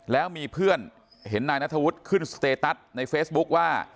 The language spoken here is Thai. แล้วมีเพื่อนเห็นนายนัทวุฒิขึ้นสเตตัสในเฟซบุ๊คว่า